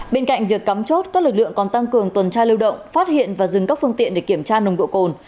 bên cạnh việc cắm chốt các lực lượng còn tăng cường tuần tra lưu động phát hiện và dừng các phương tiện để kiểm tra nồng độ cồn